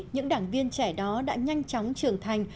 những đảng viên trẻ đó đã nhanh chóng trưởng thành